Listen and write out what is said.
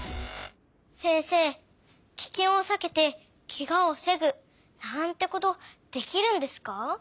せんせいキケンをさけてケガをふせぐなんてことできるんですか？